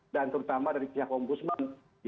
dan terutama dari pihak ombudsman